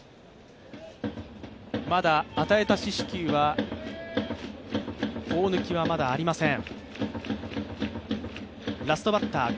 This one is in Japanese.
まだ、与えた四死球は大貫はありません。